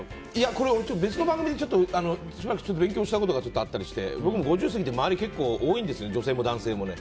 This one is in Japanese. これ、別の番組で勉強したことがあったりして僕も５０過ぎて多いんですよね、女性も男性も。